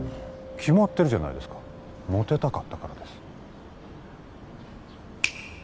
決まってるじゃないですかモテたかったからです